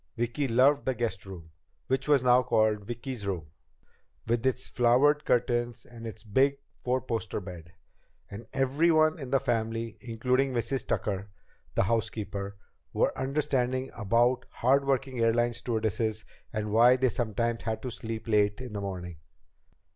Vicki loved the guest room which was now called "Vicki's room" with its flowered curtains and its big four poster bed. And everyone in the family, including Mrs. Tucker, the housekeeper, were understanding about hard working airline stewardesses and why they sometimes had to sleep late in the morning.